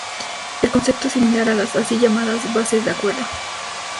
El concepto es similar a las así llamadas "Bases de Acuerdo".